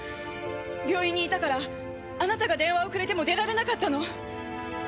病院にいたからあなたが電話をくれても出られなかったの。